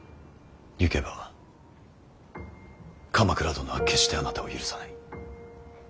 行けば鎌倉殿は決してあなたを許さない。